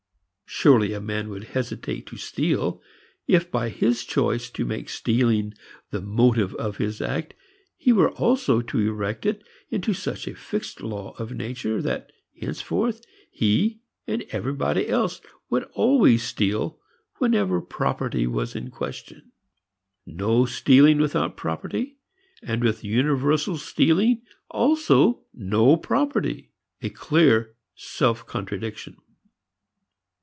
Surely a man would hesitate to steal if by his choice to make stealing the motive of his act he were also to erect it into such a fixed law of nature that henceforth he and everybody else would always steal whenever property was in question. No stealing without property, and with universal stealing also no property; a clear self contradiction.